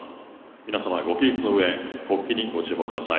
皆様ご起立のうえ国旗にご注目ください。